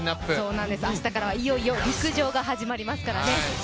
明日からは、いよいよ陸上が始まりますからね。